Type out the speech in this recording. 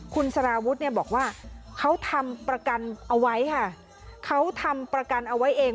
คุณสารวุฒิเนี่ยบอกว่าเขาทำประกันเอาไว้ค่ะเขาทำประกันเอาไว้เอง